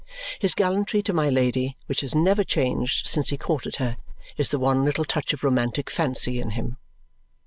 His gallantry to my Lady, which has never changed since he courted her, is the one little touch of romantic fancy in him.